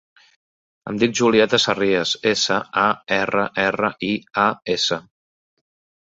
Em dic Julieta Sarrias: essa, a, erra, erra, i, a, essa.